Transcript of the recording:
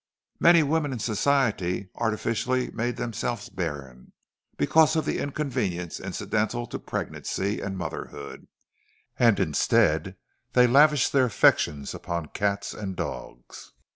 Many women in Society artificially made themselves barren, because of the inconvenience incidental to pregnancy and motherhood; and instead they lavished their affections upon cats and dogs.